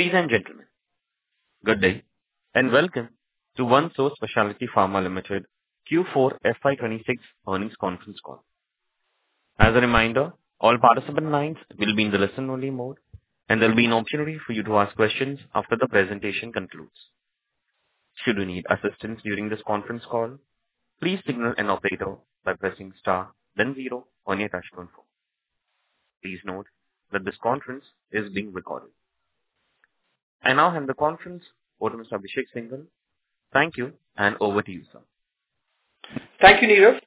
Ladies and gentlemen, good day, welcome to OneSource Specialty Pharma Limited Q4 FY 2026 earnings conference call. As a reminder, all participant lines will be in the listen-only mode, there will be an opportunity for you to ask questions after the presentation concludes. Should you need assistance during this conference call, please signal an operator by pressing star then zero on your touchtone phone. Please note that this conference is being recorded. I now hand the conference over to Mr. Abhishek Singhal. Thank you, over to you, sir. Thank you, Neeraj,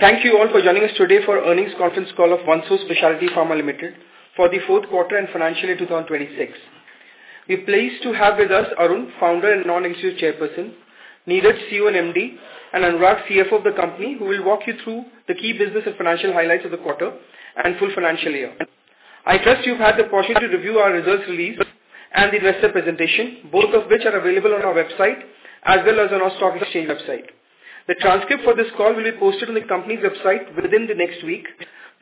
thank you all for joining us today for earnings conference call of OneSource Specialty Pharma Limited for the fourth quarter and financial year 2026. We are pleased to have with us Arun, Founder and Non-Executive Chairperson, Neeraj, CEO and MD, Anurag, CFO of the company, who will walk you through the key business and financial highlights of the quarter and full financial year. I trust you have had the opportunity to review our results release and the investor presentation, both of which are available on our website as well as on our stock exchange website. The transcript for this call will be posted on the company's website within the next week.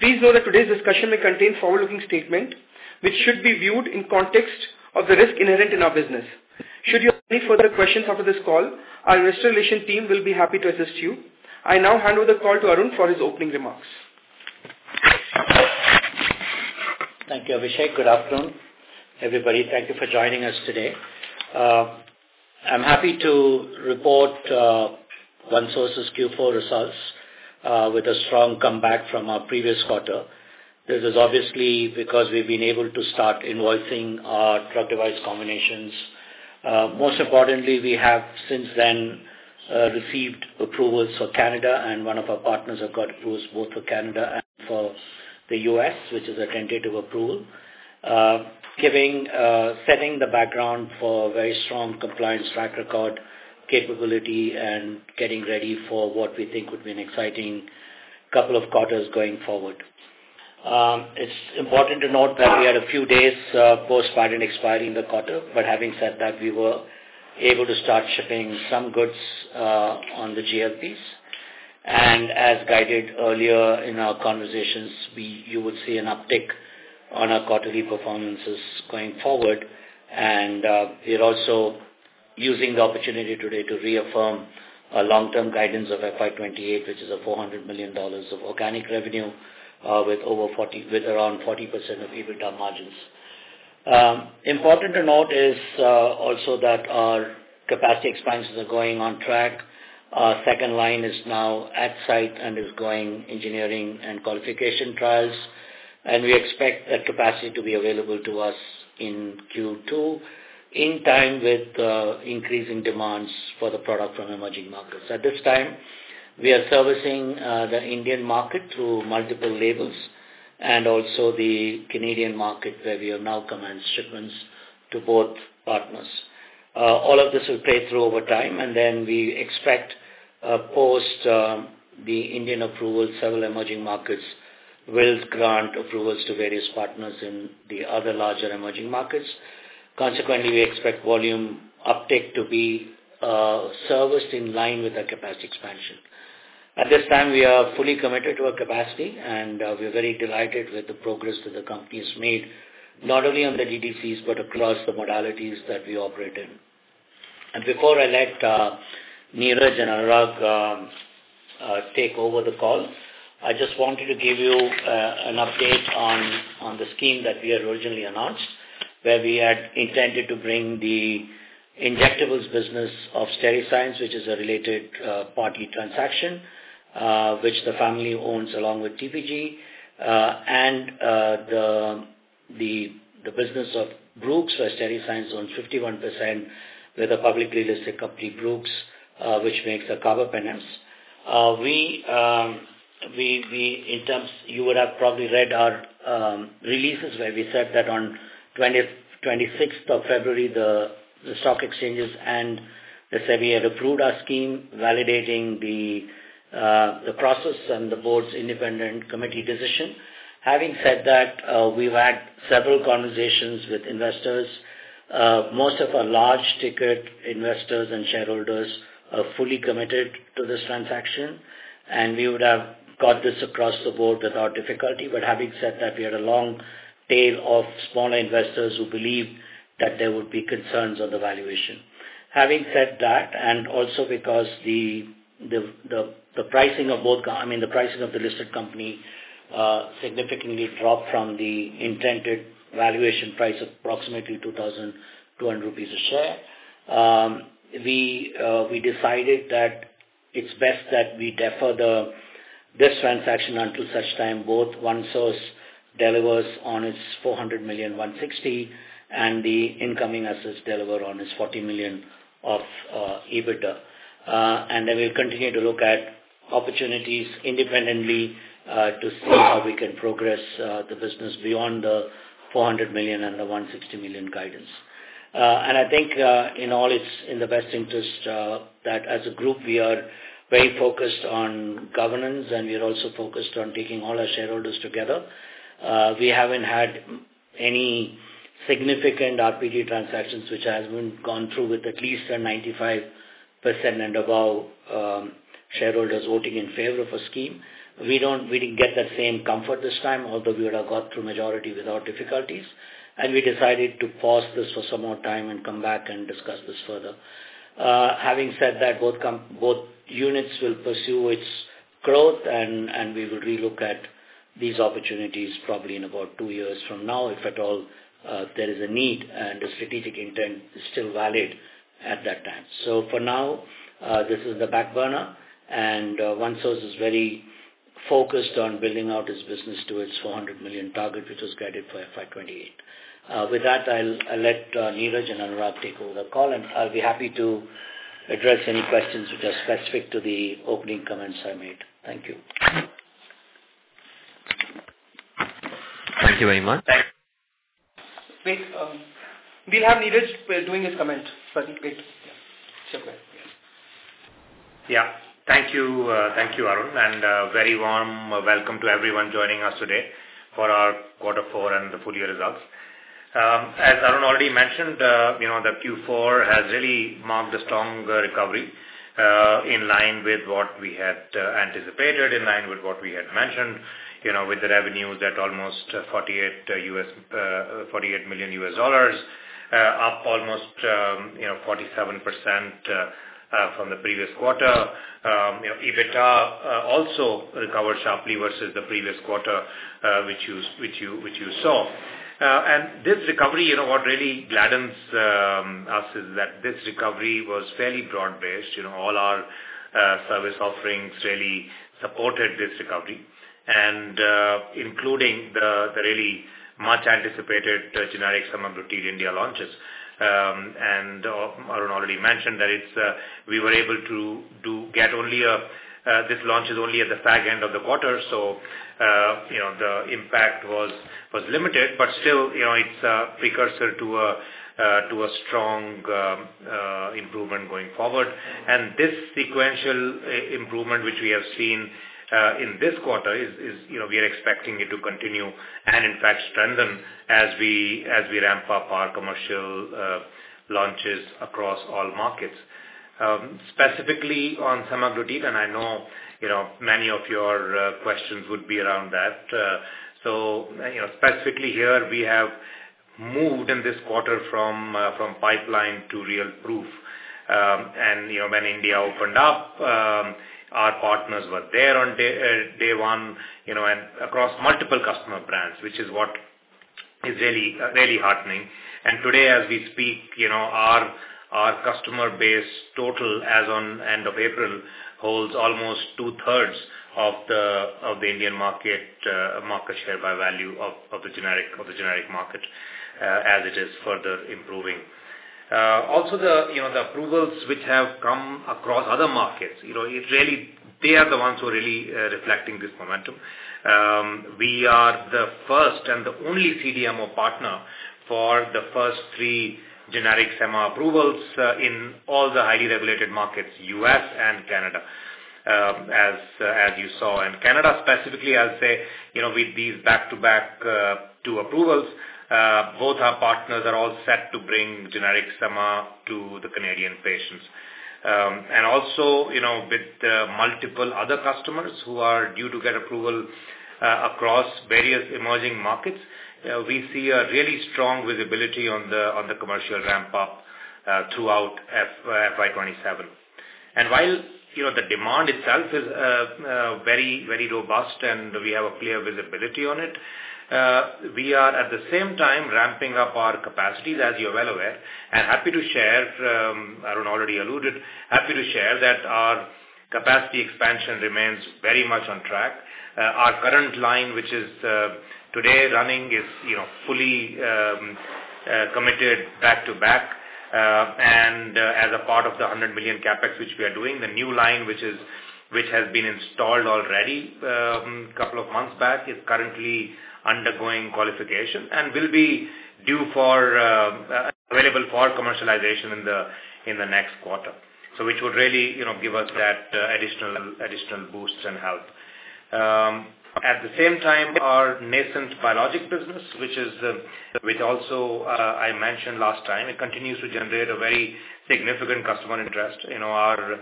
Please note that today's discussion may contain forward-looking statement which should be viewed in context of the risk inherent in our business. Should you have any further questions after this call, our investor relation team will be happy to assist you. I now hand over the call to Arun for his opening remarks. Thank you, Abhishek. Good afternoon, everybody. Thank you for joining us today. I am happy to report OneSource's Q4 results with a strong comeback from our previous quarter. This is obviously because we have been able to start invoicing our drug device combinations. Most importantly, we have since then received approvals for Canada, one of our partners have got approvals both for Canada and for the U.S., which is a tentative approval. Setting the background for a very strong compliance track record capability and getting ready for what we think would be an exciting couple of quarters going forward. It is important to note that we had a few days post-patent expiry in the quarter. Having said that, we were able to start shipping some goods on the GLPs. As guided earlier in our conversations, you would see an uptick on our quarterly performances going forward. We're also using the opportunity today to reaffirm our long-term guidance of FY 2028, which is a $400 million of organic revenue with around 40% of EBITDA margins. Important to note is also that our capacity expansions are going on track. Our second line is now at site and is going engineering and qualification trials, and we expect that capacity to be available to us in Q2 in time with increasing demands for the product from emerging markets. At this time, we are servicing the Indian market through multiple labels and also the Canadian market where we have now commenced shipments to both partners. All of this will play through over time, and then we expect post the Indian approval, several emerging markets will grant approvals to various partners in the other larger emerging markets. Consequently, we expect volume uptake to be serviced in line with our capacity expansion. At this time, we are fully committed to our capacity and we're very delighted with the progress that the company's made, not only on the DDCs, but across the modalities that we operate in. Before I let Neeraj and Anurag take over the call, I just wanted to give you an update on the scheme that we had originally announced, where we had intended to bring the injectables business of Steriscience, which is a related party transaction which the family owns along with TPG and the business of Brooks where Steriscience owns 51% with a publicly listed company, Brooks which makes the carbapenems. You would have probably read our releases where we said that on 26th of February, the stock exchanges and the SEBI had approved our scheme validating the process and the board's independent committee decision. Having said that, we've had several conversations with investors. Most of our large ticket investors and shareholders are fully committed to this transaction, and we would have got this across the board without difficulty. Having said that, we had a long tail of smaller investors who believed that there would be concerns on the valuation. Having said that, and also because the pricing of the listed company significantly dropped from the intended valuation price of approximately 2,200 rupees a share. We decided that it's best that we defer this transaction until such time both OneSource delivers on its $400 million, $160 million, and the incoming assets deliver on its $40 million of EBITDA. Then we'll continue to look at opportunities independently to see how we can progress the business beyond the $400 million and the $160 million guidance. I think in the best interest that as a group, we are very focused on governance, and we're also focused on taking all our shareholders together. We haven't had any significant RPT transactions which has gone through with at least a 95% and above shareholders voting in favor of a scheme. We didn't get that same comfort this time, although we would have got through majority without difficulties, and we decided to pause this for some more time and come back and discuss this further. Having said that, both units will pursue its growth and we will relook at these opportunities probably in about two years from now, if at all there is a need and the strategic intent is still valid at that time. For now, this is the back burner and OneSource is very focused on building out its business to its $400 million target, which was guided for FY 2028. With that, I'll let Neeraj and Anurag take over the call. I'll be happy to address any questions which are specific to the opening comments I made. Thank you. Thank you very much. Thanks. Wait, we'll have Neeraj doing his comment. Wait. Sure. Thank you, Arun, and a very warm welcome to everyone joining us today for our quarter four and the full year results. As Arun already mentioned, the Q4 has really marked a strong recovery in line with what we had anticipated, in line with what we had mentioned, with the revenues at almost $48 million, up almost 47% from the previous quarter. EBITDA also recovered sharply versus the previous quarter which you saw. This recovery, what really gladdens us is that this recovery was fairly broad-based. All our service offerings really supported this recovery, including the really much-anticipated generic semaglutide India launches. Arun already mentioned that we were able to get only This launch is only at the fag end of the quarter, so the impact was limited, but still, it's a precursor to a strong improvement going forward. This sequential improvement, which we have seen in this quarter, we are expecting it to continue and, in fact, strengthen as we ramp up our commercial launches across all markets. Specifically on semaglutide, and I know many of your questions would be around that. Specifically here, we have moved in this quarter from pipeline to real proof. When India opened up, our partners were there on day one and across multiple customer brands, which is what is really heartening. Today as we speak, our customer base total as on end of April holds almost 2/3 of the Indian market share by value of the generic market as it is further improving. Also the approvals which have come across other markets, they are the ones who are really reflecting this momentum. We are the first and the only CDMO partner for the first three generic sema approvals in all the highly regulated markets, U.S. and Canada, as you saw. Canada specifically, I'll say, with these back-to-back two approvals, both our partners are all set to bring generic sema to the Canadian patients. Also, with multiple other customers who are due to get approval across various emerging markets, we see a really strong visibility on the commercial ramp-up throughout FY 2027. While the demand itself is very robust and we have a clear visibility on it, we are at the same time ramping up our capacities, as you're well aware. Happy to share, Arun already alluded, happy to share that our capacity expansion remains very much on track. Our current line, which is today running, is fully committed back-to-back. As a part of the 100 million CapEx which we are doing, the new line which has been installed already a couple of months back, is currently undergoing qualification and will be available for commercialization in the next quarter. Which would really give us that additional boost and help. At the same time, our nascent biologics business, which also I mentioned last time, it continues to generate a very significant customer interest. Our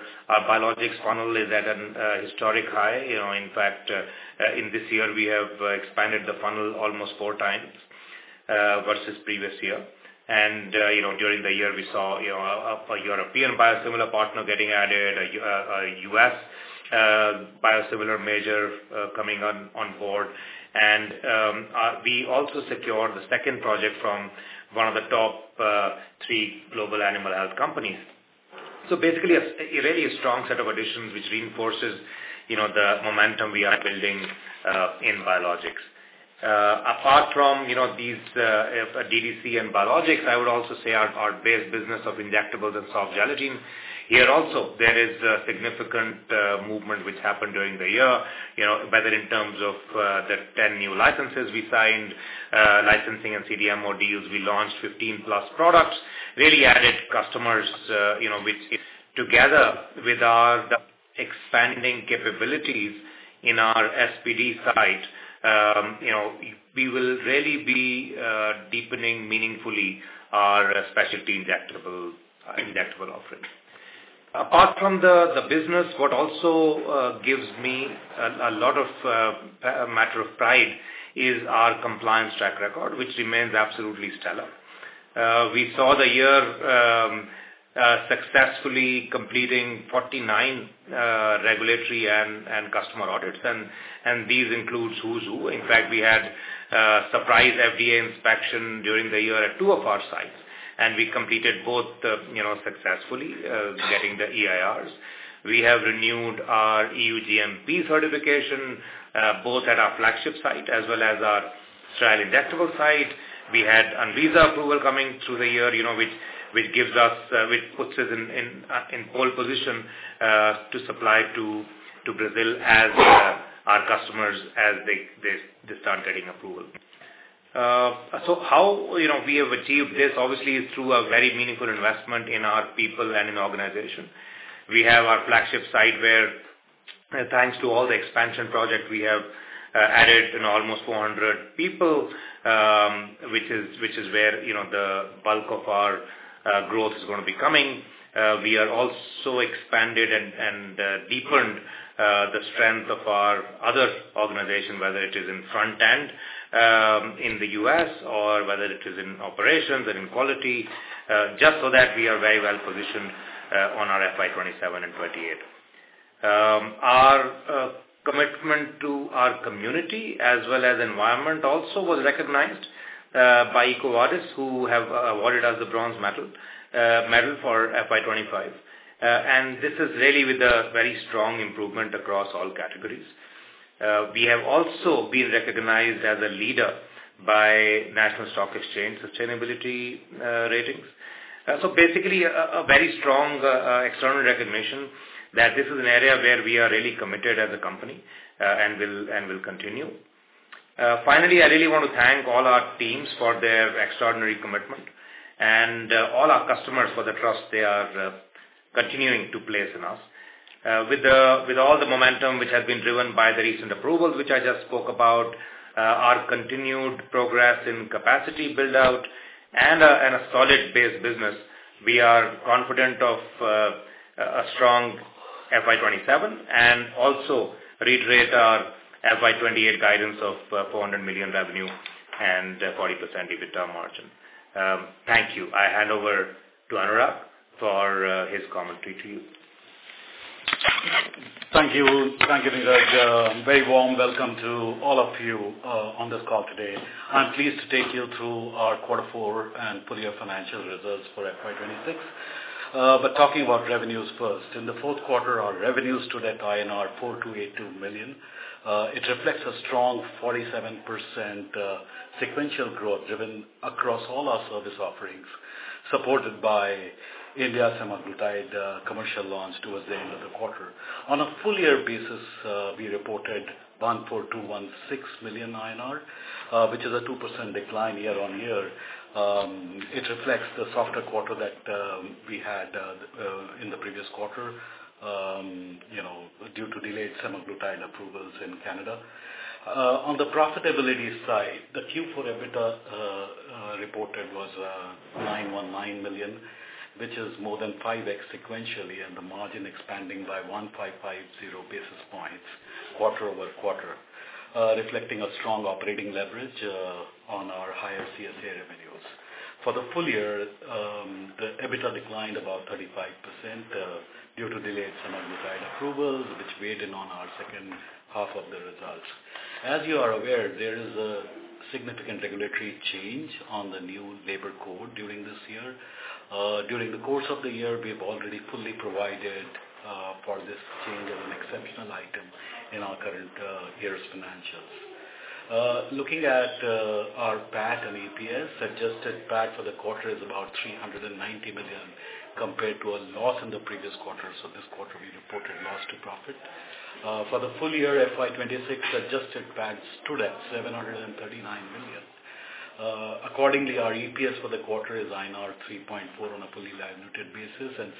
biologics funnel is at an historic high. In fact, in this year, we have expanded the funnel almost four times versus previous year. During the year, we saw a European biosimilar partner getting added, a U.S. biosimilar major coming on board. We also secured the second project from one of the top three global animal health companies. Basically, a really strong set of additions, which reinforces the momentum we are building in biologics. Apart from these DDC and biologics, I would also say our base business of injectables and soft gelatin, here also, there is a significant movement which happened during the year, whether in terms of the 10 new licenses we signed, licensing and CDMO deals, we launched 15-plus products, really added customers which together with our expanding capabilities in our SPD site, we will really be meaningfully our specialty injectable offerings. Apart from the business, what also gives me a lot of matter of pride is our compliance track record, which remains absolutely stellar. We saw the year successfully completing 49 regulatory and customer audits. These includes who's who. In fact, we had a surprise FDA inspection during the year at two of our sites, and we completed both successfully getting the EIRs. We have renewed our EU GMP certification, both at our flagship site as well as our trial injectable site. We had Anvisa approval coming through the year, which puts us in pole position to supply to Brazil as our customers, as they start getting approval. How we have achieved this, obviously, is through a very meaningful investment in our people and in the organization. We have our flagship site where thanks to all the expansion project, we have added almost 400 people, which is where the bulk of our growth is going to be coming. We are also expanded and deepened the strength of our other organization, whether it is in front end, in the U.S., or whether it is in operations or in quality, just so that we are very well positioned on our FY 2027 and 2028. Our commitment to our community as well as environment also was recognized by EcoVadis, who have awarded us a bronze medal for FY 2025. This is really with a very strong improvement across all categories. We have also been recognized as a leader by National Stock Exchange Sustainability Ratings. Basically, a very strong external recognition that this is an area where we are really committed as a company and will continue. Finally, I really want to thank all our teams for their extraordinary commitment and all our customers for the trust they are continuing to place in us. With all the momentum which has been driven by the recent approvals, which I just spoke about, our continued progress in capacity build-out and a solid base business, we are confident of a strong FY 2027 and also reiterate our FY 2028 guidance of $400 million revenue and 40% EBITDA margin. Thank you. I hand over to Anurag for his commentary to you. Thank you, Neeraj. A very warm welcome to all of you on this call today. I am pleased to take you through our Quarter 4 and full-year financial results for FY 2026. Talking about revenues first. In the fourth quarter, our revenues stood at INR 4,282 million. It reflects a strong 47% sequential growth driven across all our service offerings, supported by India semaglutide commercial launch towards the end of the quarter. On a full-year basis, we reported 14,216 million INR, which is a 2% decline year-on-year. It reflects the softer quarter that we had in the previous quarter due to delayed semaglutide approvals in Canada. On the profitability side, the Q4 EBITDA reported was 919 million, which is more than 5x sequentially, and the margin expanding by 1,550 basis points quarter-over-quarter, reflecting a strong operating leverage on our higher CSA revenues. For the full year, the EBITDA declined about 35% due to delayed semaglutide approvals, which weighed in on our second half of the results. As you are aware, there is a significant regulatory change on the new labor code during this year. During the course of the year, we have already fully provided for this change as an exceptional item in our current year's financials. Looking at our PAT and EPS, adjusted PAT for the quarter is about 390 million compared to a loss in the previous quarter. This quarter, we reported loss to profit. For the full year FY 2026, adjusted PAT stood at 739 million. Accordingly, our EPS for the quarter is INR 3.4 on a fully diluted basis and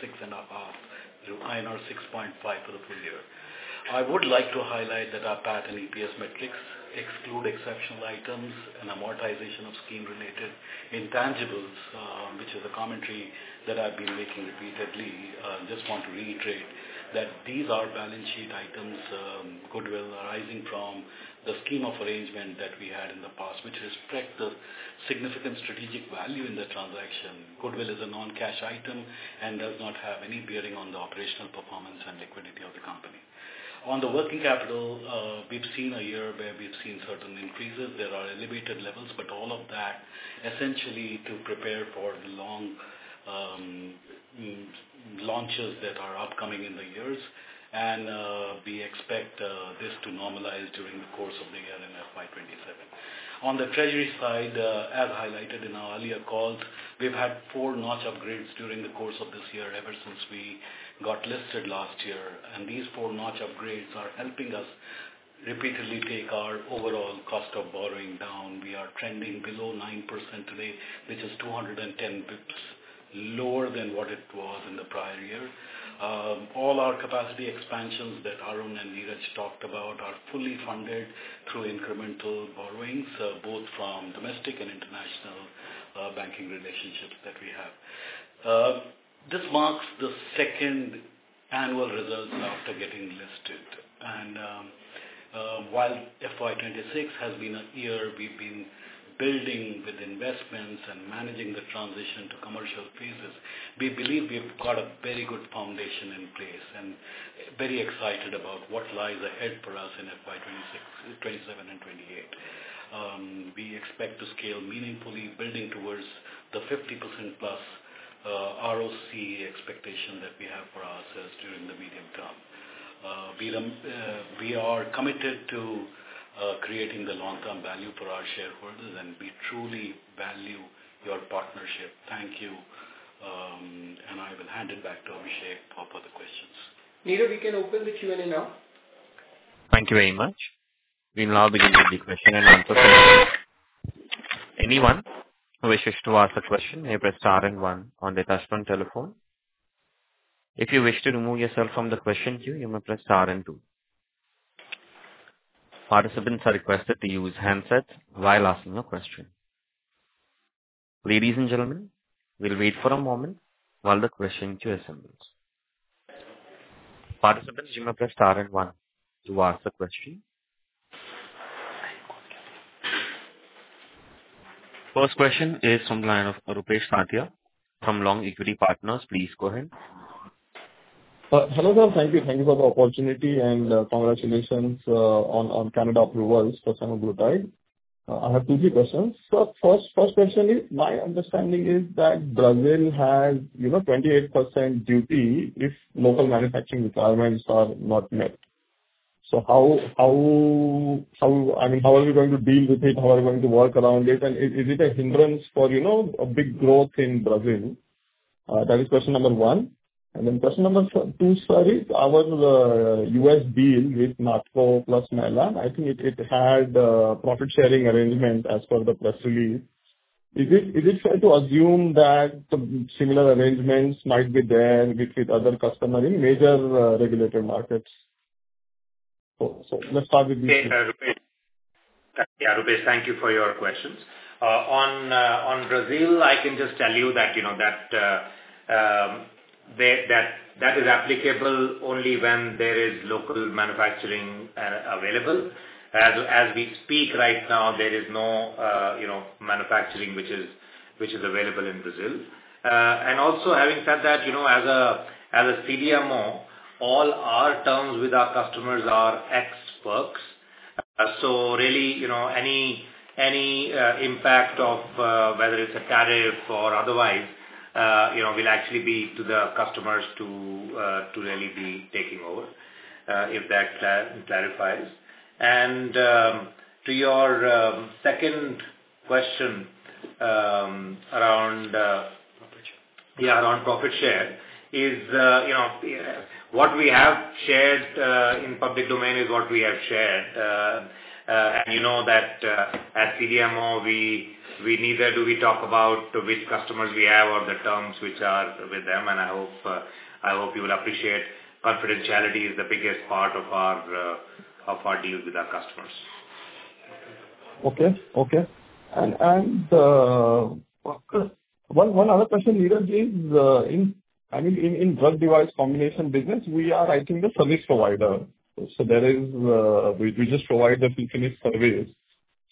INR 6.5 for the full year. I would like to highlight that our PAT and EPS metrics exclude exceptional items and amortization of scheme-related intangibles, which is a commentary that I've been making repeatedly. Just want to reiterate that these are balance sheet items, goodwill arising from the scheme of arrangement that we had in the past, which reflect the significant strategic value in that transaction. Goodwill is a non-cash item and does not have any bearing on the operational performance and liquidity of the company. On the working capital, we've seen a year where we've seen certain increases. There are elevated levels, but all of that essentially to prepare for long launches that are upcoming in the years. We expect this to normalize during the course of the year in FY 2027. On the treasury side, as highlighted in our earlier calls, we've had 4 notch upgrades during the course of this year ever since we got listed last year, and these 4 notch upgrades are helping us repeatedly take our overall cost of borrowing down. We are trending below 9% today, which is 210 basis points lower than what it was in the prior year. All our capacity expansions that Arun and Neeraj talked about are fully funded through incremental borrowings, both from domestic and international banking relationships that we have. This marks the second annual results after getting listed. While FY 2026 has been a year we've been building with investments and managing the transition to commercial phases, we believe we've got a very good foundation in place and very excited about what lies ahead for us in FY 2027 and 2028. We expect to scale meaningfully, building towards the 50% plus ROCE expectation that we have for ourselves during the medium term. We are committed to creating the long-term value for our shareholders, and we truly value your partnership. Thank you. I will hand it back to Abhishek for other questions. Neeraj, we can open the Q&A now. Thank you very much. We will now begin with the question and answer session. Anyone who wishes to ask a question may press star and one on their touch-tone telephone. If you wish to remove yourself from the question queue, you may press star and two. Participants are requested to use handsets while asking a question. Ladies and gentlemen, we'll wait for a moment while the question queue assembles. Participants, you may press star and one to ask a question. First question is from the line of Rupesh Sathya from Long Equity Partners. Please go ahead. Hello, sir. Thank you for the opportunity and congratulations on Canada approvals for semaglutide. I have two, three questions. First question is, my understanding is that Brazil has 28% duty if local manufacturing requirements are not met. How are we going to deal with it? How are we going to work around it? Is it a hindrance for a big growth in Brazil? That is question number 1. Question number 2, sorry. Our U.S. deal with Natco plus Mylan, I think it had a profit-sharing arrangement as per the press release. Is it fair to assume that similar arrangements might be there with other customers in major regulated markets? Let's start with this. Rupesh, thank you for your questions. On Brazil, I can just tell you that is applicable only when there is local manufacturing available. As we speak right now, there is no manufacturing which is available in Brazil. Also having said that, as a CDMO, all our terms with our customers are ex works. Really, any impact of whether it's a tariff or otherwise will actually be to the customers to really be taking over, if that clarifies. To your second question around- Profit share. Yeah, around profit share is, what we have shared in public domain is what we have shared. You know that at CDMO, we neither do we talk about which customers we have or the terms which are with them, and I hope you will appreciate confidentiality is the biggest part of our deals with our customers. Okay. One other question, Neeraj, is, in drug device combination business, we are, I think, the service provider. We just provide the finished service.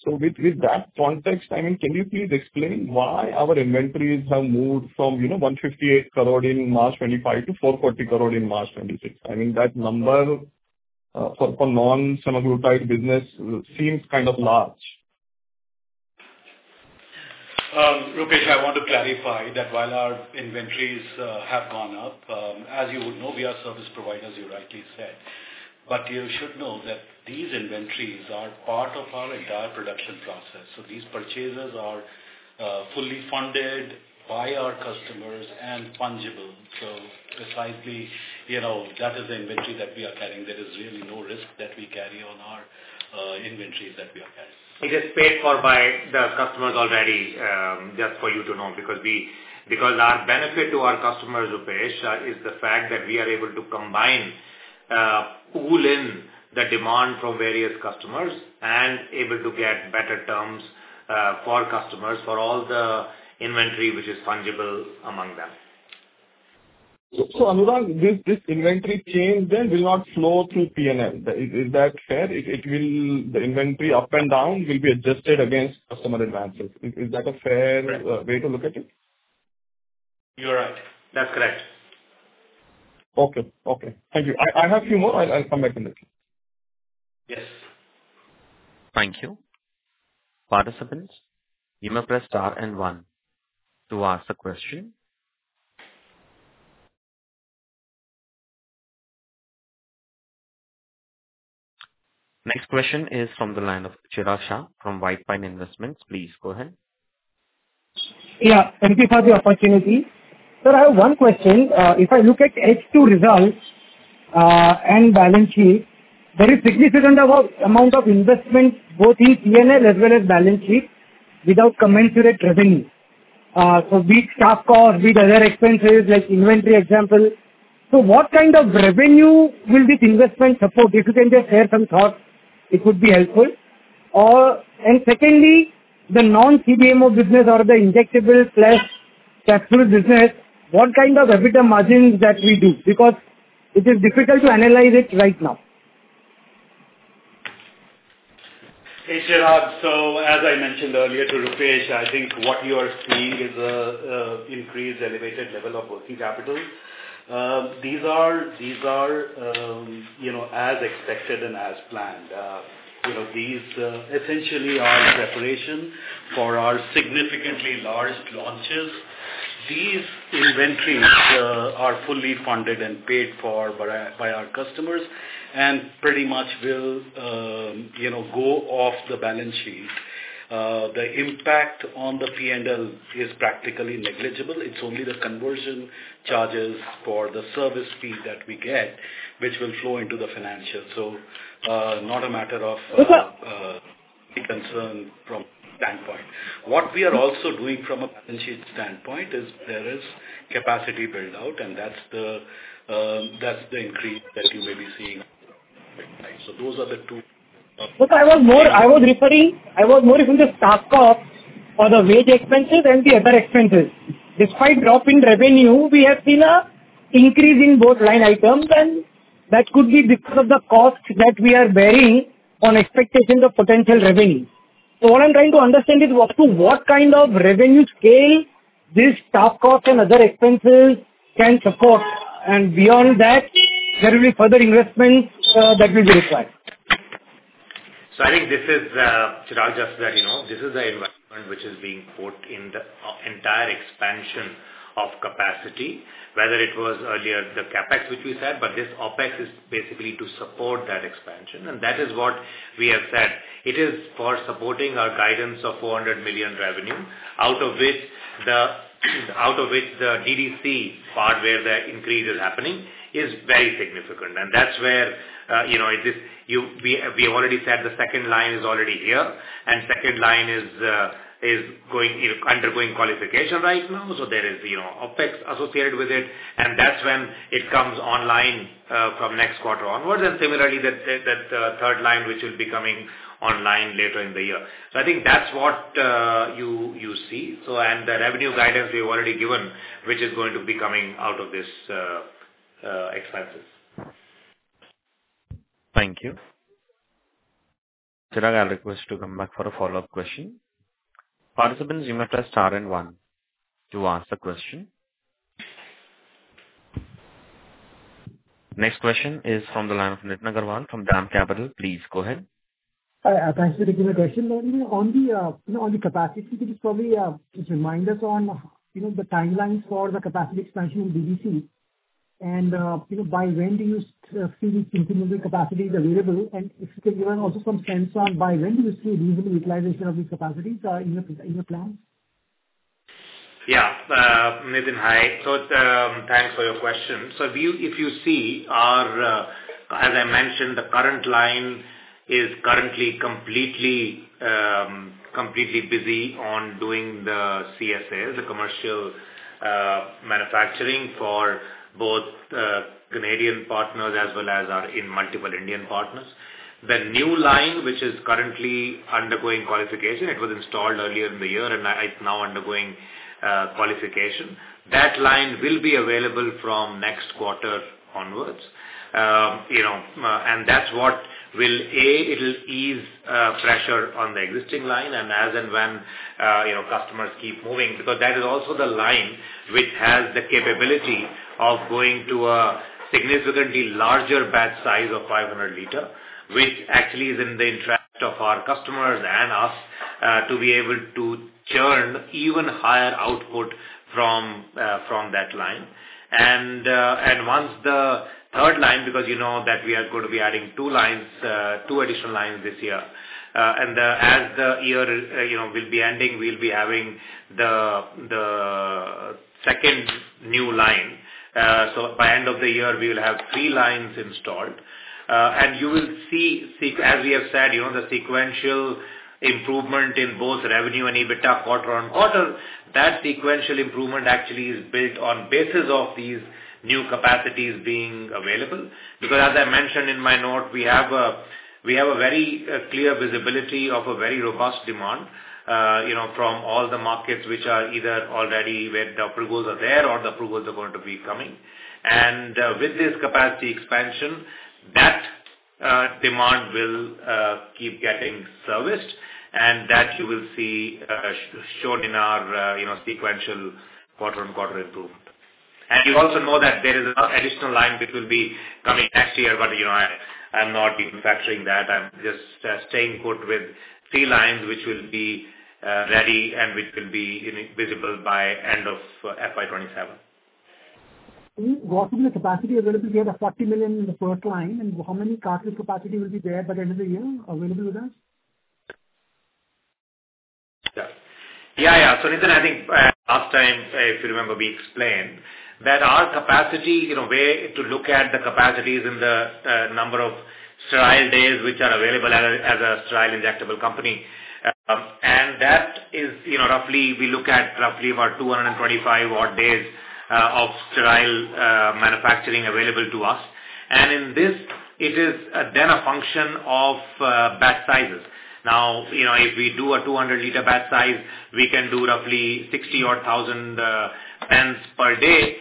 With that context, can you please explain why our inventories have moved from 158 crore in March 2025 to 440 crore in March 2026? I mean, that number, for non-semaglutide business seems kind of large. Rupesh, I want to clarify that while our inventories have gone up, as you would know, we are service providers, you rightly said. You should know that these inventories are part of our entire production process. These purchases are fully funded by our customers and fungible. Precisely, that is the inventory that we are carrying. There is really no risk that we carry on our inventories that we are carrying. It is paid for by the customers already, just for you to know, because our benefit to our customers, Rupesh, is the fact that we are able to combine, pool in the demand from various customers and able to get better terms for customers for all the inventory which is fungible among them. Anurag, this inventory change then will not flow through P&L. Is that fair? The inventory up and down will be adjusted against customer advances. Is that a fair way to look at it? You're right. That's correct. Okay. Thank you. I have a few more. I'll come back in touch. Yes. Thank you. Participants, you may press star and one to ask a question. Next question is from the line of Chirag Shah from White Pine Investments. Please go ahead. Yeah, thank you for the opportunity. Sir, I have one question. If I look at H2 results and balance sheet, there is significant amount of investment, both in P&L as well as balance sheet, without commensurate revenue. Be it staff cost, be it other expenses like inventory example. What kind of revenue will this investment support? If you can just share some thoughts, it would be helpful. Secondly, the non-CDMO business or the injectable/capsule business, what kind of EBITDA margins that we do? Because it is difficult to analyze it right now. Hey, Chirag. As I mentioned earlier to Rupesh, I think what you are seeing is increased elevated level of working capital. These are as expected and as planned. These essentially are preparation for our significantly large launches. These inventories are fully funded and paid for by our customers and pretty much will go off the balance sheet. The impact on the P&L is practically negligible. It's only the conversion charges for the service fee that we get, which will flow into the financials. Not a matter of concern from our standpoint. What we are also doing from a balance sheet standpoint is there is capacity build-out, and that's the increase that you may be seeing. Those are the two- I was referring to the staff costs or the wage expenses and the other expenses. Despite drop in revenue, we have seen an increase in both line items, and that could be because of the costs that we are bearing on expectations of potential revenue. What I'm trying to understand is up to what kind of revenue scale this staff cost and other expenses can support, and beyond that, there will be further investment that will be required. I think this is, Chirag, just that you know, this is the investment which is being put in the entire expansion of capacity, whether it was earlier the CapEx, which we said, but this OpEx is basically to support that expansion. That is what we have said. It is for supporting our guidance of 400 million revenue, out of which the DDC part where the increase is happening is very significant. That's where we have already said the second line is already here, and second line is undergoing qualification right now. There is OpEx associated with it, that's when it comes online from next quarter onwards, similarly that third line, which will be coming online later in the year. I think that's what you see. The revenue guidance we've already given, which is going to be coming out of these expenses. Thank you. Chirag, I'll request you to come back for a follow-up question. Participants, you may press star and one to ask a question. Next question is from the line of Nitin Agarwal from DAM Capital. Please go ahead. Thanks for taking the question. On the capacity build, probably just remind us on the timelines for the capacity expansion in DDC, by when do you see this incremental capacity is available? If you can give us also some sense on by when do you see reasonable utilization of these capacities in your plan? Yeah. Nitin, hi. Thanks for your question. If you see, as I mentioned, the current line is currently completely busy on doing the CSA, the commercial manufacturing for both Canadian partners as well as our multiple Indian partners. The new line, which is currently undergoing qualification, it was installed earlier in the year, and it's now undergoing qualification. That line will be available from next quarter onwards. That's what will, A, it'll ease pressure on the existing line and as and when customers keep moving, because that is also the line which has the capability of going to a significantly larger batch size of 500 liter, which actually is in the interest of our customers and us to be able to churn even higher output from that line. Once the third line, because you know that we are going to be adding two additional lines this year. As the year will be ending, we'll be having the second new line. By end of the year, we will have three lines installed. You will see, as we have said, the sequential improvement in both revenue and EBITDA quarter-on-quarter. That sequential improvement actually is built on basis of these new capacities being available. As I mentioned in my note, we have a very clear visibility of a very robust demand from all the markets which are either already where the approvals are there or the approvals are going to be coming. With this capacity expansion, that demand will keep getting serviced and that you will see shown in our sequential quarter-on-quarter improvement. You also know that there is another additional line which will be coming next year, but I'm not even factoring that. I'm just staying put with three lines, which will be ready and which will be visible by end of FY 2027. What will be the capacity available there, the 40 million in the first line, and how many cartridge capacity will be there by the end of the year available with us? Nitin, I think last time, if you remember, we explained that our capacity, a way to look at the capacity is in the number of sterile days which are available as a sterile injectable company. That is roughly, we look at roughly about 225 odd days of sterile manufacturing available to us. In this, it is then a function of batch sizes. Now, if we do a 200 liter batch size, we can do roughly 60,000 pens per day.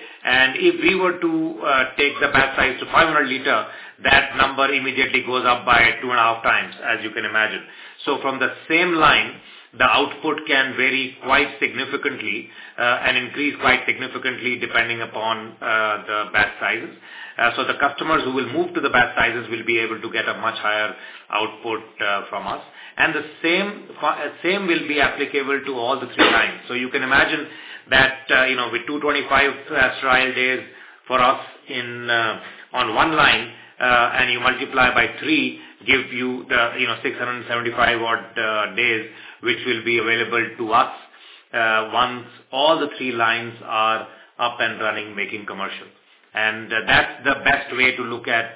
If we were to take the batch size to 500 liter, that number immediately goes up by 2.5 times, as you can imagine. From the same line, the output can vary quite significantly and increase quite significantly depending upon the batch sizes. The customers who will move to the batch sizes will be able to get a much higher output from us. The same will be applicable to all the three lines. You can imagine that with 225 sterile days for us on one line and you multiply by three, give you the 675 odd days which will be available to us once all the three lines are up and running, making commercial. That's the best way to look at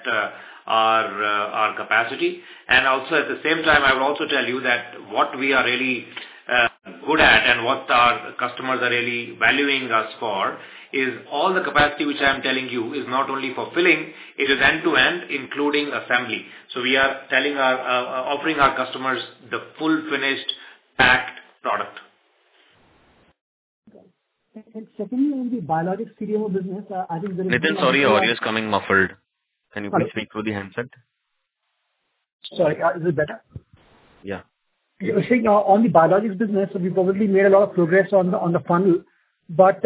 our capacity, and also at the same time, I would also tell you that what we are really good at and what our customers are really valuing us for, is all the capacity which I'm telling you is not only for filling, it is end-to-end, including assembly. We are offering our customers the full finished packed product. Okay. Secondly, on the biologics CDMO business. Nitin, sorry, your audio is coming muffled. Can you please speak through the handset? Sorry. Is it better? Yeah. You were saying on the biologics business, we've probably made a lot of progress on the funnel. What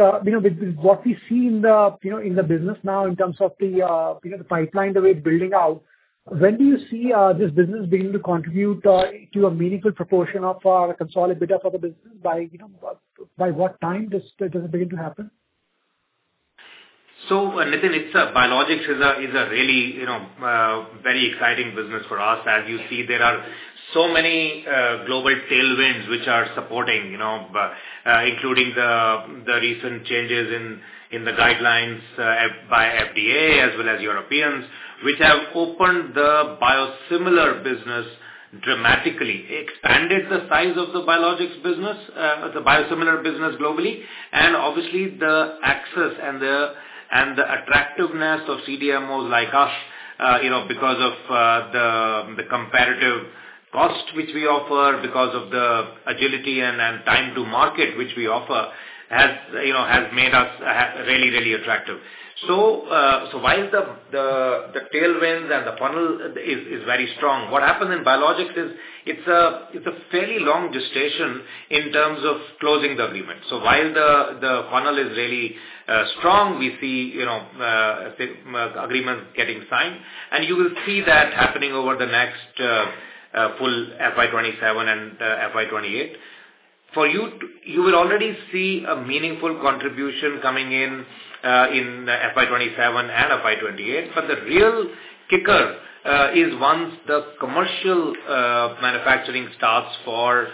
we see in the business now in terms of the pipeline, the way it's building out, when do you see this business beginning to contribute to a meaningful proportion of our consolidated EBITDA for the business? By what time does it begin to happen? Nitin, biologics is a really very exciting business for us. As you see, there are so many global tailwinds which are supporting, including the recent changes in the guidelines by FDA as well as Europeans, which have opened the biosimilar business dramatically, expanded the size of the biologics business, the biosimilar business globally, and obviously the access and the attractiveness of CDMOs like us, because of the comparative cost which we offer, because of the agility and time to market which we offer has made us really attractive. While the tailwinds and the funnel is very strong, what happens in biologics is it's a fairly long gestation in terms of closing the agreement. While the funnel is really strong, we see agreements getting signed, and you will see that happening over the next full FY 2027 and FY 2028. You will already see a meaningful contribution coming in FY 2027 and FY 2028. The real kicker is once the commercial manufacturing starts for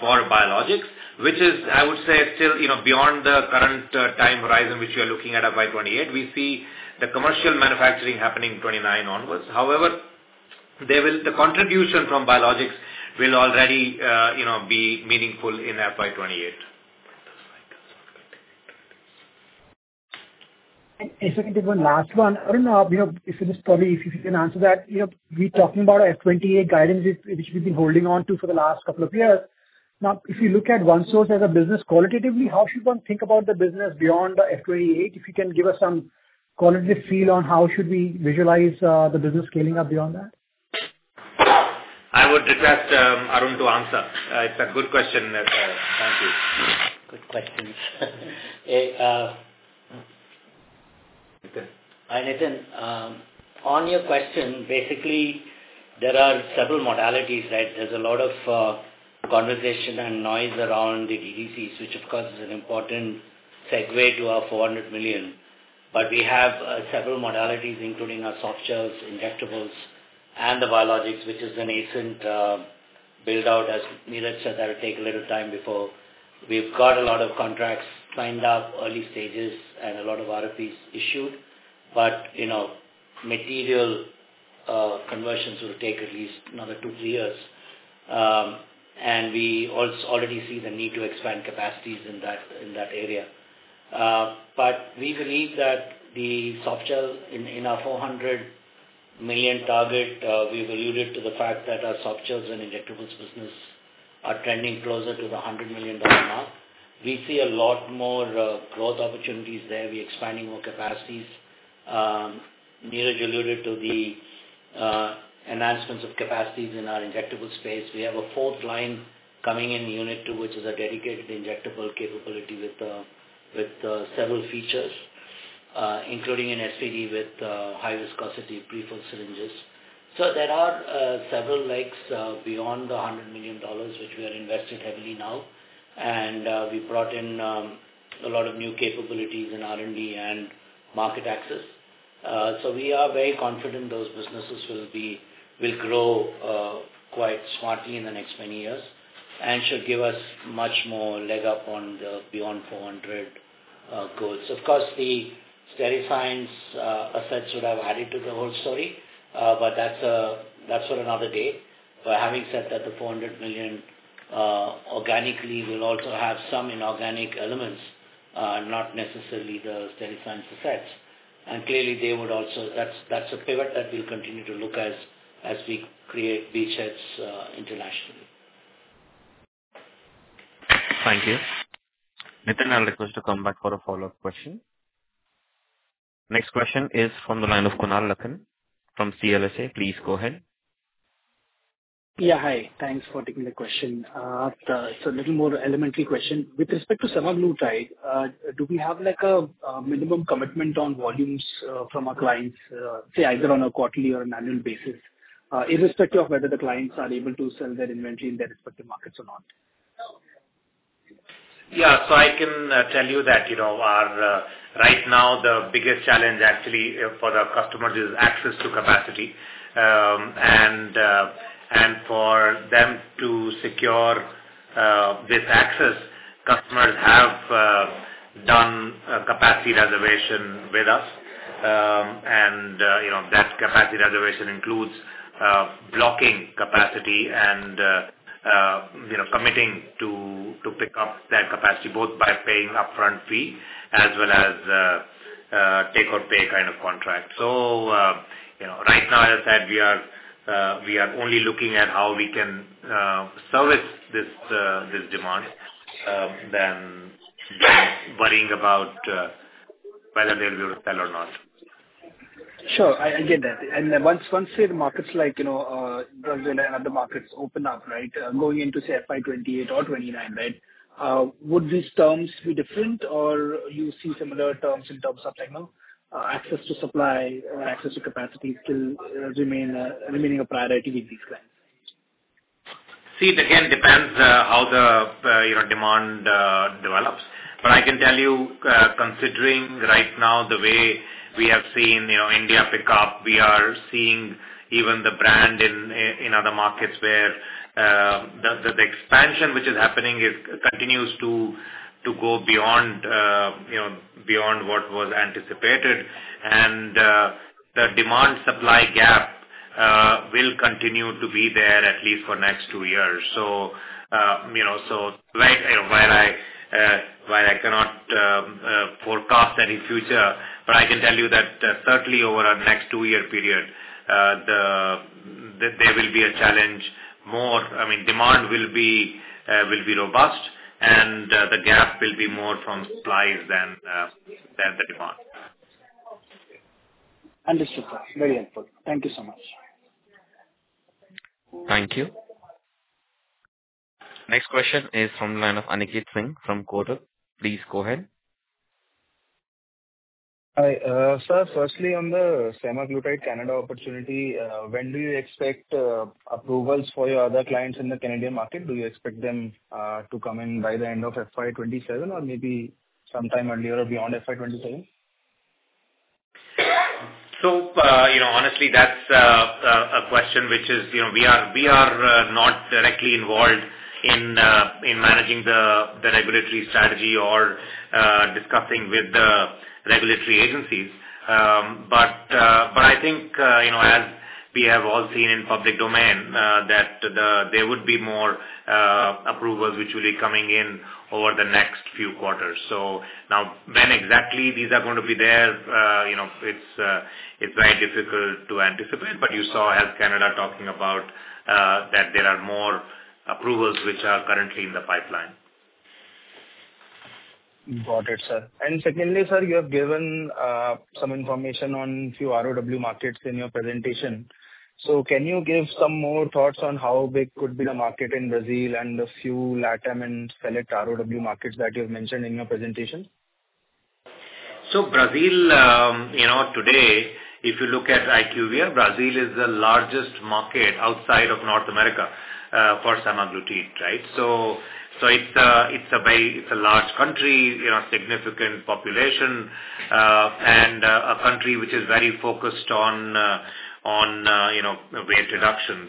biologics, which is, I would say is still beyond the current time horizon, which we are looking at FY 2028. We see the commercial manufacturing happening in 2029 onwards. However, the contribution from biologics will already be meaningful in FY 2028. Secondly, one last one. Arun, if you can answer that. We're talking about our FY 2028 guidance, which we've been holding on to for the last couple of years. Now, if you look at OneSource as a business qualitatively, how should one think about the business beyond FY 2028? If you can give us some qualitative feel on how should we visualize the business scaling up beyond that. I would request Arun to answer. It's a good question. Thank you. Good questions. Nithin. Hi, Nitin. On your question, basically, there are several modalities. There's a lot of conversation and noise around the DDCs, which, of course, is an important segue to our $400 million. We have several modalities, including our soft shells, injectables, and the biologics, which is the nascent build-out. As Neeraj said, that will take a little time before. We've got a lot of contracts signed up, early stages, and a lot of RFPs issued. Material conversions will take at least another two, three years. We already see the need to expand capacities in that area. We believe that the soft shell in our $400 million target, we've alluded to the fact that our soft shells and injectables business are trending closer to the $100 million mark. We see a lot more growth opportunities there. We're expanding more capacities. Neeraj alluded to the enhancements of capacities in our injectable space. We have a fourth line coming in unit 2, which is a dedicated injectable capability with several features, including an SVD with high viscosity prefilled syringes. There are several legs beyond the $100 million, which we are investing heavily now. We brought in a lot of new capabilities in R&D and market access. We are very confident those businesses will grow quite smartly in the next many years and should give us much more leg up on the Beyond 400 goals. Of course, the Steriscience assets would have added to the whole story, but that's for another day. Having said that, the $400 million organically will also have some inorganic elements, not necessarily the Steriscience assets. Clearly, that's a pivot that we'll continue to look as we create beachheads internationally. Thank you. Nitin, I'll request to come back for a follow-up question. Next question is from the line of Kunal Lakhan from CLSA. Please go ahead. Hi. Thanks for taking the question. Little more elementary question. With respect to semaglutide, do we have a minimum commitment on volumes from our clients, say, either on a quarterly or an annual basis, irrespective of whether the clients are able to sell their inventory in their respective markets or not? I can tell you that right now the biggest challenge actually for our customers is access to capacity. For them to secure this access, customers have done a capacity reservation with us. That capacity reservation includes blocking capacity and committing to pick up that capacity, both by paying upfront fee as well as take or pay kind of contract. Right now, as I said, we are only looking at how we can service this demand than worrying about whether they'll be able to sell or not. Sure. I get that. Once, say, the markets like Brazil and other markets open up, going into, say, FY 2028 or 2029, would these terms be different or you see similar terms in terms of access to supply or access to capacity still remaining a priority with these clients? See, it again depends how the demand develops. I can tell you, considering right now the way we have seen India pick up, we are seeing even the brand in other markets where the expansion which is happening continues to go beyond what was anticipated. The demand-supply gap will continue to be there at least for next two years. While I cannot forecast any future, but I can tell you that certainly over our next two-year period, there will be a challenge more. Demand will be robust and the gap will be more from supplies than the demand. Understood, sir. Very helpful. Thank you so much. Thank you. Next question is from the line of Aniket Singh from Kotak. Please go ahead. Hi. Sir, firstly, on the semaglutide Canada opportunity, when do you expect approvals for your other clients in the Canadian market? Do you expect them to come in by the end of FY 2027 or maybe sometime earlier beyond FY 2027? Honestly, that's a question which is, we are not directly involved in managing the regulatory strategy or discussing with the regulatory agencies. I think, as we have all seen in public domain, that there would be more approvals which will be coming in over the next few quarters. Now, when exactly these are going to be there, it's very difficult to anticipate, but you saw Health Canada talking about that there are more approvals which are currently in the pipeline. Got it, sir. Secondly, sir, you have given some information on few ROW markets in your presentation. Can you give some more thoughts on how big could be the market in Brazil and a few LATAM and select ROW markets that you've mentioned in your presentation? Brazil, today, if you look at IQVIA, Brazil is the largest market outside of North America for semaglutide. It's a large country, significant population, and a country which is very focused on weight reduction.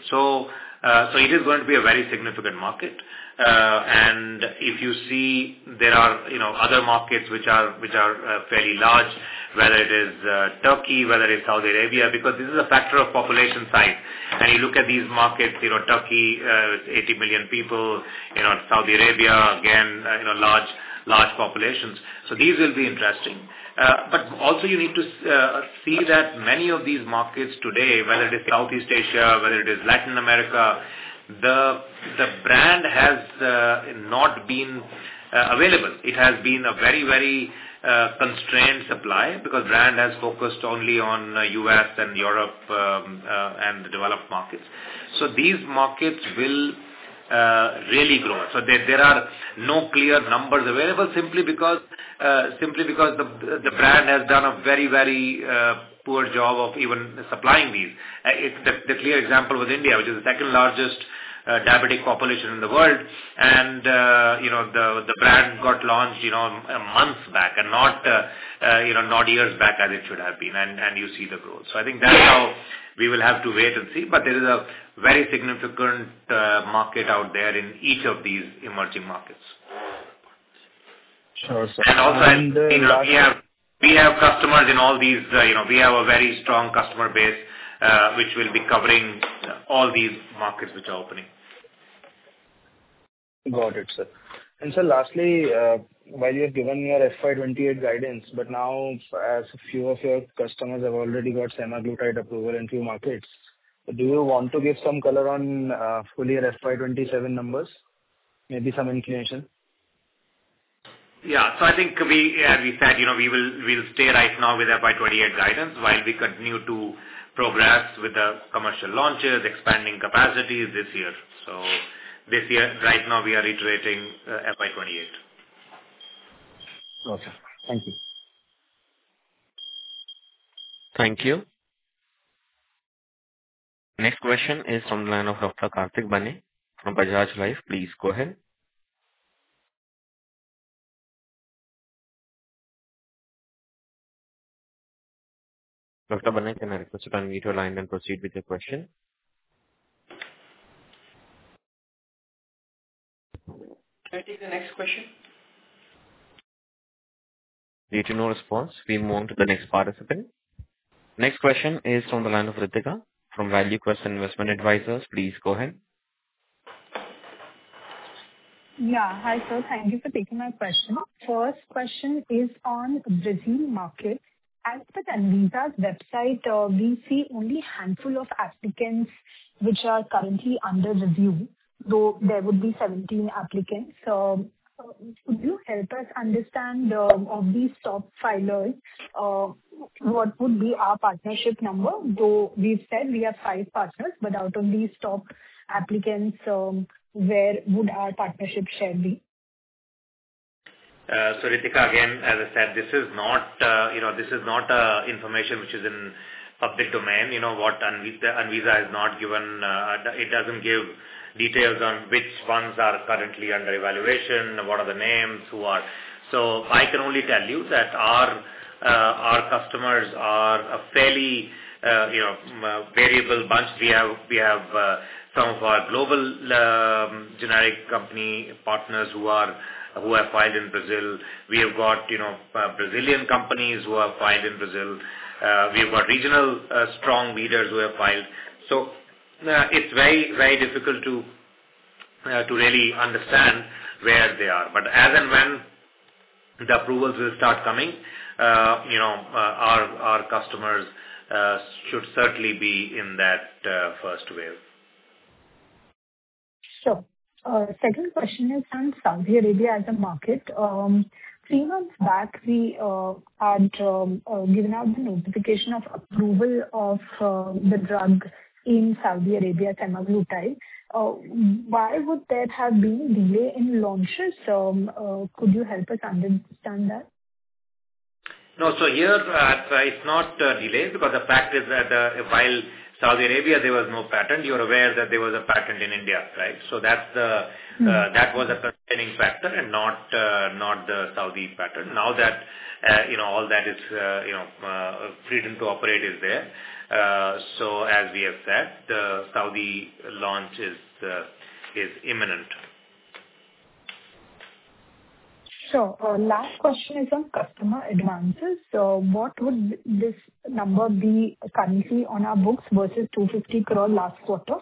It is going to be a very significant market. If you see, there are other markets which are fairly large, whether it is Turkey, whether it's Saudi Arabia, because this is a factor of population size. You look at these markets, Turkey with 80 million people, Saudi Arabia, again, large populations. These will be interesting. Also you need to see that many of these markets today, whether it is Southeast Asia, whether it is Latin America, the brand has not been available. It has been a very constrained supply because brand has focused only on U.S. and Europe and the developed markets. These markets will really grow. There are no clear numbers available simply because the brand has done a very poor job of even supplying these. The clear example with India, which is the second largest diabetic population in the world. The brand got launched months back and not years back as it should have been, and you see the growth. I think that's how we will have to wait and see, but there is a very significant market out there in each of these emerging markets. Sure, sir. Also, we have customers in all these. We have a very strong customer base, which will be covering all these markets which are opening. Got it, sir. Sir, lastly, while you have given your FY 2028 guidance, but now as a few of your customers have already got semaglutide approval in few markets, do you want to give some color on full year FY 2027 numbers? Maybe some inclination. Yeah. I think as we said, we will stay right now with FY 2028 guidance while we continue to progress with the commercial launches, expanding capacities this year. This year, right now, we are reiterating FY 2028. Got you. Thank you. Thank you. Next question is from the line of Dr. Kartick Bane from Bajaj Life. Please go ahead. Dr. Bane, can I request you to unmute your line and proceed with your question. Can I take the next question? Due to no response, we move on to the next participant. Next question is from the line of Ritika from ValueQuest Investment Advisors. Please go ahead. Yeah. Hi, sir. Thank you for taking my question. First question is on Brazil market. As per Anvisa's website, we see only handful of applicants which are currently under review, though there would be 17 applicants. Could you help us understand, of these top filers, what would be our partnership number? Though we've said we have five partners, but out of these top applicants, where would our partnership share be? Ritika, again, as I said, this is not information which is in public domain. Anvisa, it doesn't give details on which ones are currently under evaluation, what are the names, who are I can only tell you that our customers are a fairly variable bunch. We have some of our global generic company partners who have filed in Brazil. We have got Brazilian companies who have filed in Brazil. We have got regional strong leaders who have filed. It's very difficult to really understand where they are. As and when the approvals will start coming, our customers should certainly be in that first wave. Sure. Second question is on Saudi Arabia as a market. three months back, we had given out the notification of approval of the drug in Saudi Arabia, semaglutide. Why would there have been delay in launches? Could you help us understand that? No. Here, it's not delays because the fact is that while Saudi Arabia there was no patent, you are aware that there was a patent in India, right? That was a constraining factor and not the Saudi patent. Now all that freedom to operate is there. As we have said, the Saudi launch is imminent. Sure. Last question is on customer advances. What would this number be currently on our books versus 250 crore last quarter?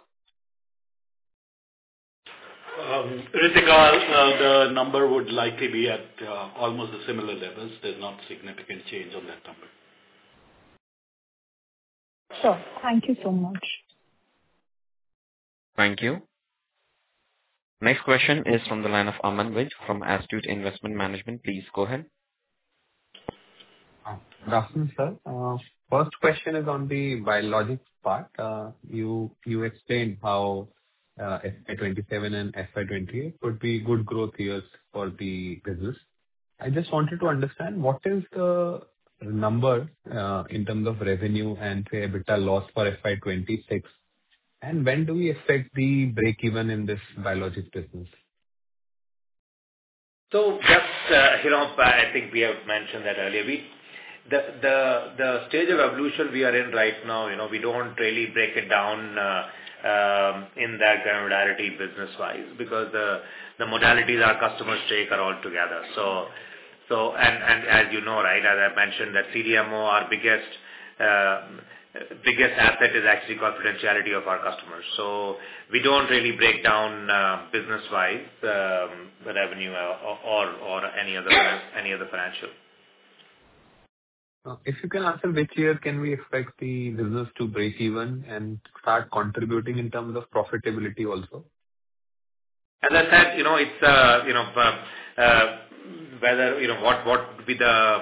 Ritika, the number would likely be at almost the similar levels. There is not significant change on that number. Sure. Thank you so much. Thank you. Next question is from the line of Aman Vij from Astute Investment Management. Please go ahead. Good afternoon, sir. First question is on the biologics part. You explained how FY 2027 and FY 2028 could be good growth years for the business. I just wanted to understand what is the number in terms of revenue and, say, EBITDA loss for FY 2026, and when do we expect the break-even in this biologics business? That I think we have mentioned that earlier. The stage of evolution we are in right now, we don't really break it down in that granularity business-wise because the modalities our customers take are all together. As you know, right, as I mentioned that CDMO, our biggest asset is actually confidentiality of our customers. We don't really break down business-wise, the revenue or any other financial. If you can answer which year can we expect the business to break even and start contributing in terms of profitability also? As I said, what would be the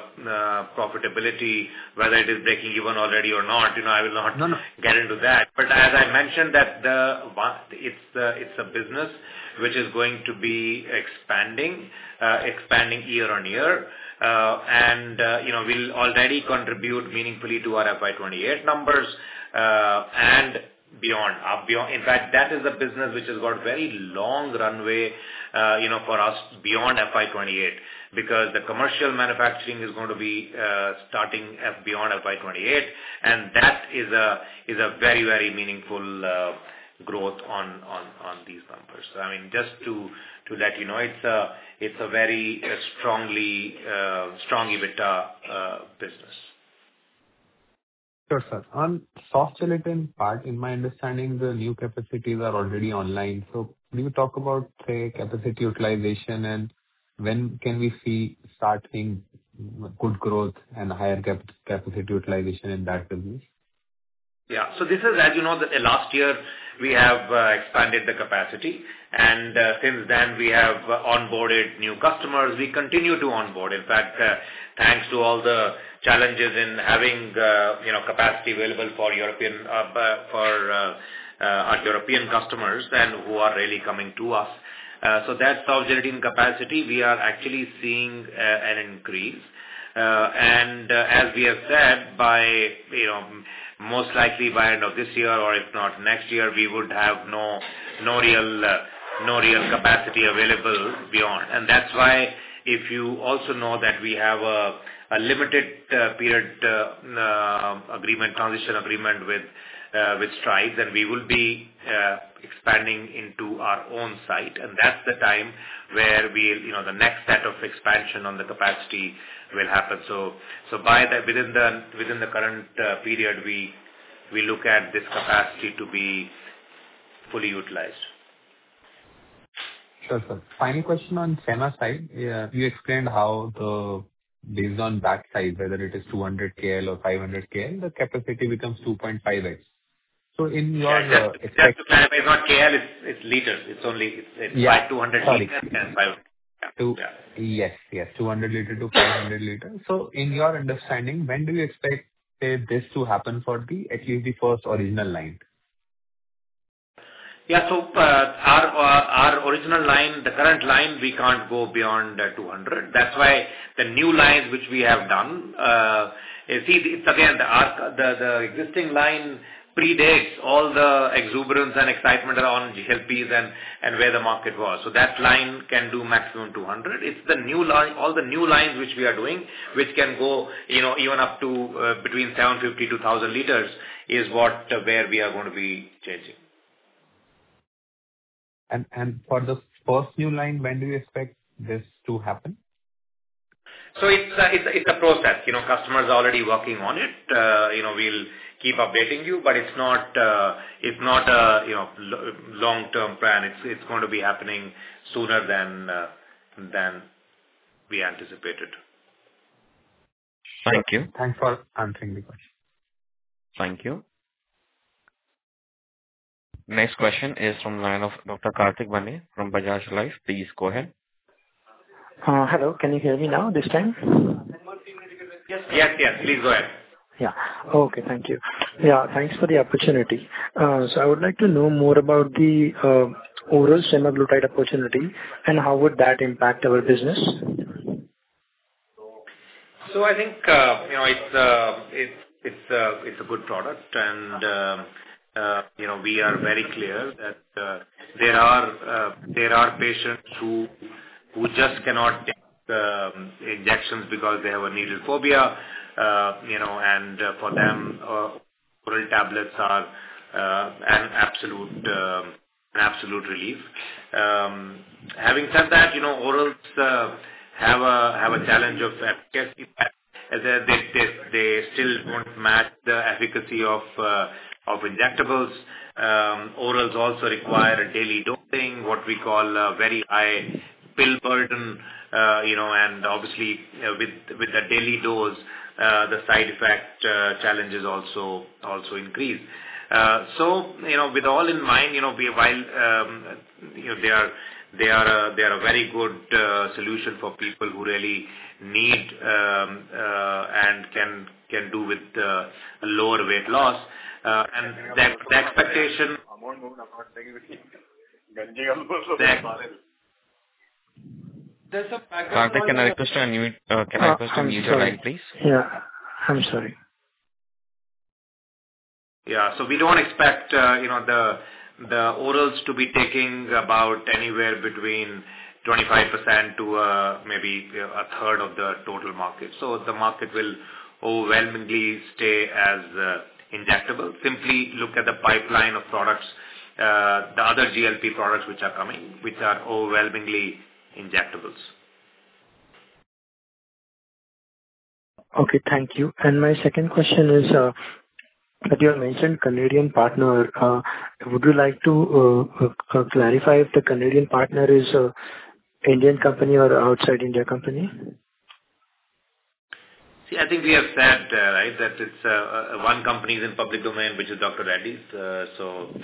profitability, whether it is breaking even already or not, I will not. No, no get into that. As I mentioned, that it's a business which is going to be expanding year on year. We'll already contribute meaningfully to our FY 2028 numbers and beyond. In fact, that is a business which has got very long runway for us beyond FY 2028, because the commercial manufacturing is going to be starting beyond FY 2028, and that is a very meaningful growth on these numbers. Just to let you know, it's a very strong EBITDA business. Sure, sir. On soft gelatin part, in my understanding, the new capacities are already online. Can you talk about, say, capacity utilization and when can we see starting good growth and higher capacity utilization in that business? Yeah. This is, as you know, last year we have expanded the capacity, and since then we have onboarded new customers. We continue to onboard. In fact, thanks to all the challenges in having capacity available for our European customers and who are really coming to us. That soft gelatin capacity, we are actually seeing an increase. As we have said, most likely by end of this year or if not next year, we would have no real capacity available beyond. That's why if you also know that we have a limited period transition agreement with Strides, and we will be expanding into our own site, and that's the time where the next set of expansion on the capacity will happen. Within the current period, we look at this capacity to be fully utilized. Sure, sir. Final question on semaglutide. You explained how based on batch size, whether it is 200 KL or 500 KL, the capacity becomes 2.5x. In your- Just to clarify, it's not KL, it's liters. It's only- Yeah by 200 liters and 5. Yeah. Yes. 200-500 liters. In your understanding, when do you expect this to happen for at least the first original line? Yeah. Our original line, the current line, we can't go beyond 200. That's why the new lines which we have done, it's again, the existing line predates all the exuberance and excitement around GLPs and where the market was. That line can do maximum 200. It's all the new lines which we are doing, which can go even up to between 750-1,000 liters is where we are going to be changing. For the first new line, when do you expect this to happen? It's a process. Customer is already working on it. We'll keep updating you, but it's not a long-term plan. It's going to be happening sooner than we anticipated. Thank you. Thanks for answering the question. Thank you. Next question is from line of Dr. Kartick Bane from Bajaj Life. Please go ahead. Hello, can you hear me now this time? Yes. Please go ahead. Yeah. Okay. Thank you. Yeah, thanks for the opportunity. I would like to know more about the oral semaglutide opportunity and how would that impact our business. I think it's a good product and we are very clear that there are patients who just cannot take the injections because they have a needle phobia, and for them, oral tablets are an absolute relief. Having said that, orals have a challenge of efficacy, that they still don't match the efficacy of injectables. Orals also require a daily dosing, what we call a very high pill burden. Obviously, with the daily dose, the side effect challenges also increase. With all in mind, they are a very good solution for people who really need and can do with a lower weight loss. Kartik, can I request you mute your line, please? Yeah. We don't expect the orals to be taking about anywhere between 25% to maybe a third of the total market. The market will overwhelmingly stay as injectable. Simply look at the pipeline of products, the other GLP products which are coming, which are overwhelmingly injectables. Okay. Thank you. My second question is, you have mentioned Canadian partner. Would you like to clarify if the Canadian partner is an Indian company or outside India company? See, I think we have said, right? That one company is in public domain, which is Dr. Reddy's. The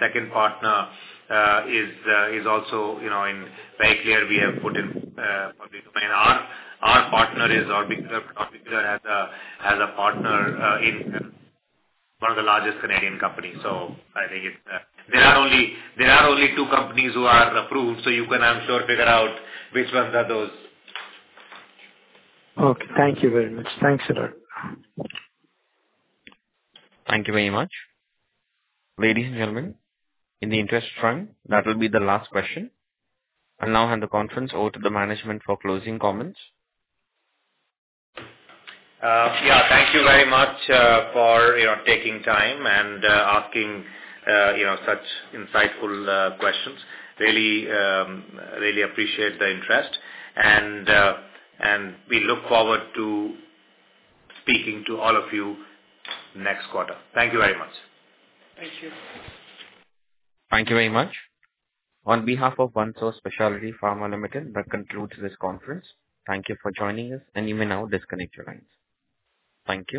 second partner is also very clear we have put in public domain. Our partner is Orbis. Orbis has a partner in one of the largest Canadian companies. I think there are only two companies who are approved, so you can, I'm sure, figure out which ones are those. Okay. Thank you very much. Thanks a lot. Thank you very much. Ladies and gentlemen, in the interest front, that will be the last question. I'll now hand the conference over to the management for closing comments. Yeah. Thank you very much for taking time and asking such insightful questions. Really appreciate the interest and we look forward to speaking to all of you next quarter. Thank you very much. Thank you. Thank you very much. On behalf of OneSource Specialty Pharma Limited, that concludes this conference. Thank you for joining us and you may now disconnect your lines. Thank you.